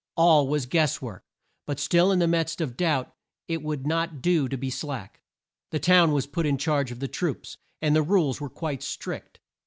All was guess work, but still in the midst of doubt it would not do to be slack. The town was put in charge of the troops, and the rules were quite strict.